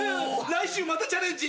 来週またチャレンジ。